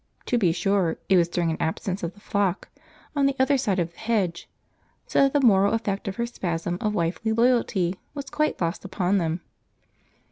To be sure, it was during an absence of the flock on the other side of the hedge so that the moral effect of her spasm of wifely loyalty was quite lost upon them.